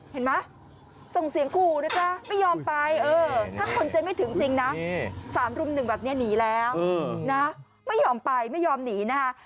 เห็นไหมส่งเสียงขู่นะจ๊ะไม่ยอมไปถ้าคนใจไม่ถึงจริงนะ๓รุ่ม๑แบบนี้หนีแล้วนะไม่ยอมไปไม่ยอมหนีนะคะ